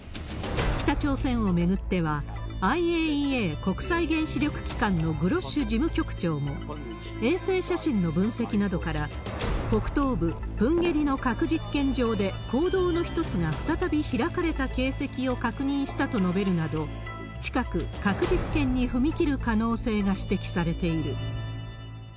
北朝鮮を巡っては、ＩＡＥＡ・国際原子力機関のグロッシ事務局長も、衛星写真の分析などから、北東部、プンゲリの核実験場で、坑道の一つが再び開かれた形跡を確認したと述べるなど、近く核実験に踏み切る可能性が指摘されている。